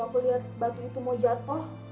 dan waktu aku liat batu itu mau jatoh